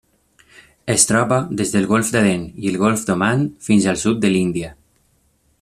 Es troba des del Golf d'Aden i el Golf d'Oman fins al sud de l'Índia.